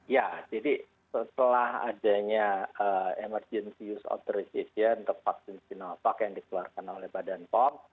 ya jadi setelah adanya emergency use authorization untuk vaksin sinovac yang dikeluarkan oleh badan pom